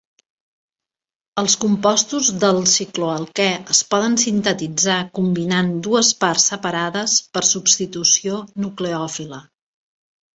Els compostos del cicloalquè es poden sintetitzar combinant dues parts separades per substitució nucleòfila.